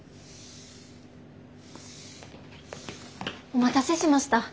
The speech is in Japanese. お待たせしました。